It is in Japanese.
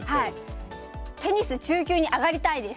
テニス、中級に上がりたいです。